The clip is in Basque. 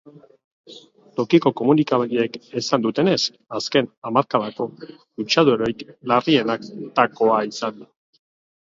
Tokiko komunikabideek esan dutenez, azken hamarkadako kutsadurarik larrienetarikoa da.